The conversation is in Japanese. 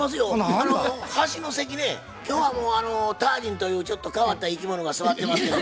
あの端の席ね今日はもうタージンというちょっと変わった生き物が座ってますけど。